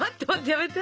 やめて。